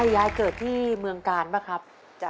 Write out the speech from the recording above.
ยายเกิดที่เมืองกาลป่ะครับ